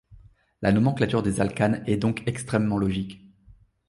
La nomenclature des alcanes est donc extrêmement logique.